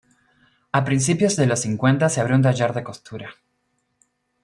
A principios de los cincuenta se abrió un taller de costura.